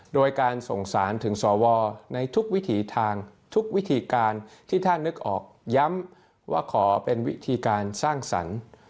โดยการส่งสารถึงสวในทุกวิถีทางทุกวิธีการที่ท่านนึกออกย้ำว่าขอเป็นวิธีการสร้างสรรค์